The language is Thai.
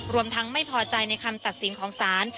รวมทั้งไม่พอใจในคำตัดสินของศาล